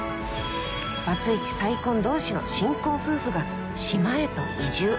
バツイチ再婚同士の新婚夫婦が島へと移住！